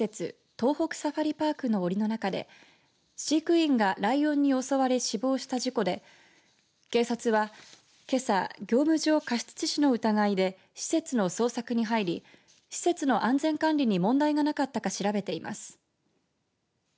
東北サファリパークのおりの中で飼育員がライオンに襲われ死亡した事故で警察はけさ業務上過失致死の疑いで施設の捜索に入り施設の安全管理に問題がなかったか調べています。